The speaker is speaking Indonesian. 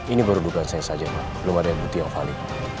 ini baru dugaan saya saja belum ada yang butih yang valid